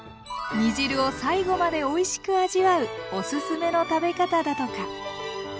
煮汁を最後までおいしく味わうおすすめの食べ方だとか。